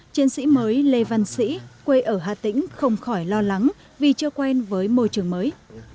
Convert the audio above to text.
chiến sĩ mới lê văn sĩ quê ở hà tĩnh không khỏi lo lắng vì chưa quen với môi trường mới